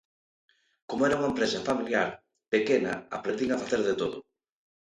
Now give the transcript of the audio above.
Como era unha empresa familiar, pequena, aprendín a facer de todo.